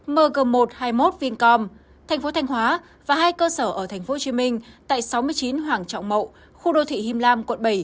m gầm một trăm hai mươi một vincom tp thanh hóa và hai cơ sở ở tp hcm tại sáu mươi chín hoàng trọng mậu khu đô thị him lam quận bảy